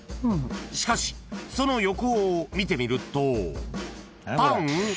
［しかしその横を見てみると］